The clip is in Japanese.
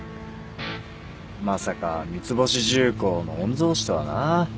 まさか三ツ星重工の御曹司とはな